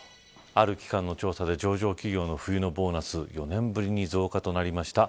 ある機関の調査で上場企業の冬のボーナス４年ぶりに増加となりました。